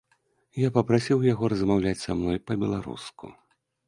Я папрасіў яго размаўляць са мной па-беларуску.